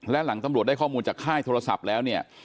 และหลังตำรวจได้ข้อมูลจากค่ายโทรศัพท์แล้วเนี่ย